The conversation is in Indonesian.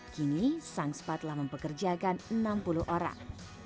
kini sang spa telah mempekerjakan enam puluh orang